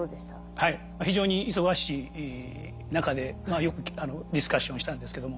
はい非常に忙しい中でよくディスカッションをしたんですけども